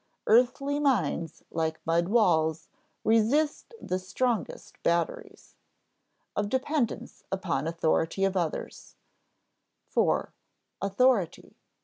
Earthly minds, like mud walls, resist the strongest batteries. [Sidenote: of dependence upon authority of others] 4. "Authority.